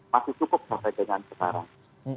masih cukup sampai dengan sekarang